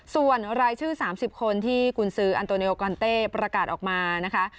ส่วนรายชื่อ๓๐คนที่กุญสืออันโตเนโอกอนเต้ประกาศออกมานะคะ